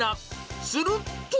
すると。